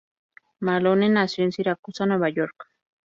Malone nació en Siracusa, Nueva York.